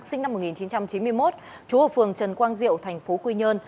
sinh năm một nghìn chín trăm chín mươi một chú hộp phường trần quang diệu thành phố quy nhơn